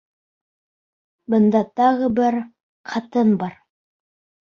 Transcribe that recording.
Бында тағы бер... ҡатын бар.